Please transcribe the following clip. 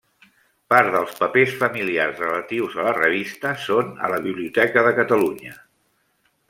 Part dels papers familiars relatius a la revista són a la Biblioteca de Catalunya.